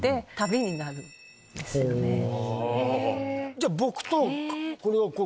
じゃあ僕と。